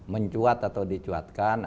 mencuat atau dicuatkan